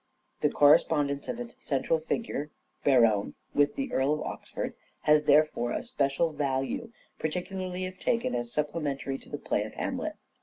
The correspondence of its central figure, Berowne, with the Earl of Oxford has therefore a special value, particularly if taken as supplementary to the play of " Hamlet."